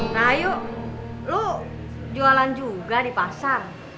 rahayu lo jualan juga di pasar